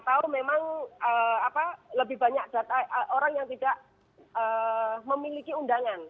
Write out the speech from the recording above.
atau memang lebih banyak orang yang tidak memiliki undangan